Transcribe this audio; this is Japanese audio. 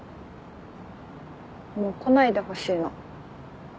もう来ないでほしいの。